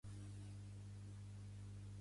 Pertany al moviment independentista la Sarai?